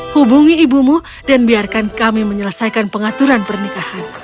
hubungi ibumu dan biarkan kami menyelesaikan pengaturan pernikahan